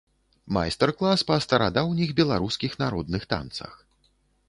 Майстар-клас па старадаўніх беларускіх народных танцах.